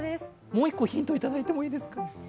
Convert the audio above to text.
もう１個、ヒントいただいてもいいですか？